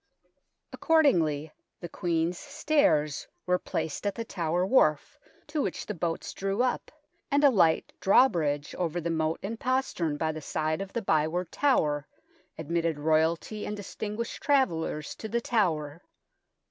Accordingly the Queen's Stairs were placed 26 THE TOWER OF LONDON at the Tower Wharf, to which the boats drew up, and a light drawbridge over the moat and postern by the side of the Byward Tower admitted Royalty and distinguished travellers to The Tower.